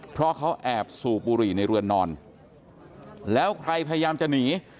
เพราะเขาแอบสูบบุหรี่ในเรือนนอนแล้วใครพยายามจะหนี